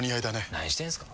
何してんすか。